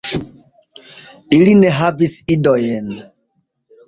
Ili ne havis idojn.